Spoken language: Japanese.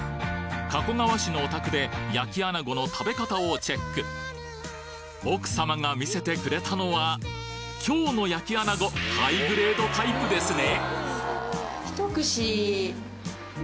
加古川市のお宅で焼き穴子の食べ方をチェック奥様が見せてくれたのは今日の焼き穴子ハイグレードタイプですね